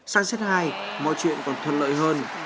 sang set hai mọi chuyện còn thuận lợi hơn